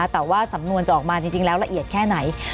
แต่ว่าสำนวนจะออกมาจริงแล้วละเอียดแค่ไหน